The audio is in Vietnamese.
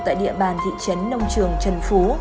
tại địa bàn thị trấn nông trường trần phú